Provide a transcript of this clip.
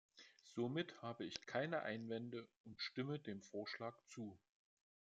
Somit habe ich keine Einwände und stimme dem Vorschlag zu.